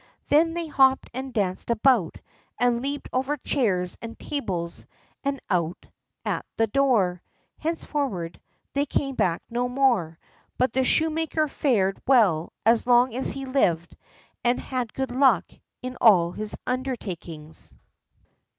Then they hopped and danced about, and leaped over chairs and tables and out at the door. Henceforward, they came back no more, but the shoemaker fared well as long as he lived, and had good luck in all his undertakings.